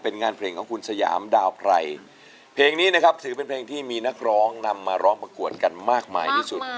เป็นงานเพลงของคุณสยามดาวไพรเพลงนี้นะครับถือเป็นเพลงที่มีนักร้องนำมาร้องประกวดกันมากมายที่สุด